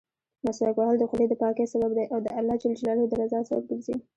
مسواک وهل د خولې دپاکۍسبب دی او د الله جل جلاله درضا سبب ګرځي.